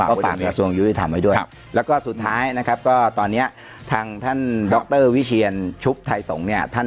นะครับก็ช่วยส่วนยุทธรรมไว้ด้วยแล้วก็สุดท้ายนะครับก็ตอนนี้ทางท่านดอกเตอร์วิชีียันชุบไทยส่งเนี่ยท่าน